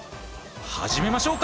始めましょうか！